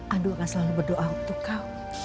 andung akan selalu berdoa untuk kau